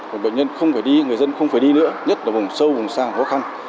còn bệnh nhân không phải đi người dân không phải đi nữa nhất là vùng sâu vùng xa khó khăn